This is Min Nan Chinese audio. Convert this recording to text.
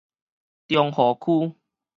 中和區